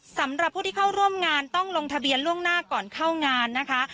สำหรับผู้ที่เข้าร่วมงานต้องลงทะเบียนล่วงหน้าก่อนเข้างานนะคะ